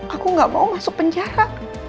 aku gak mau masuk penjara